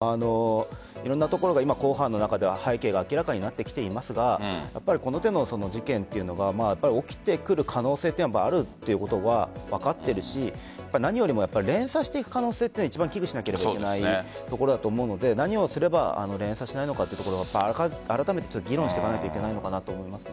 あそこでもいろんなところが公判で背景が明らかになっていますがこの手の事件は起きてくる可能性はあるということは分かっているし何よりも連鎖していく可能性が、一番危惧しなければいけないところだと思うので何をすれば連鎖するのかあらためて議論しなければいけないですね。